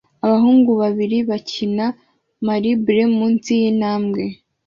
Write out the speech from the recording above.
Abahungu babiri bato bakina marble munsi yintambwe